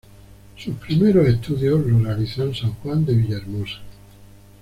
Sus primeros estudios los realizó en San Juan de Villahermosa.